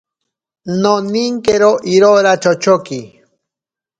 Noninkero irora chochoki.